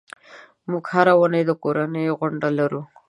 موږ هره اونۍ د کورنۍ غونډه لرو.